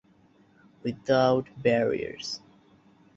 Without barriers.